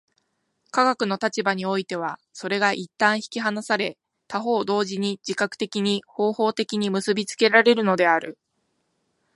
科学の立場においてはそれが一旦引き離され、他方同時に自覚的に、方法的に結び付けられるのである。